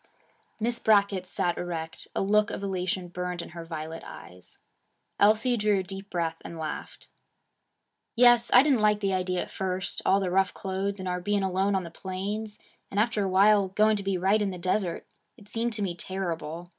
Miss Brackett sat erect. A look of elation burned in her violet eyes. Elsie drew a deep breath and laughed. 'Yes. I didn't like the idea at first: all the rough clothes, and our being alone on the plains, and after a while going to be right in the desert it seemed to me terrible.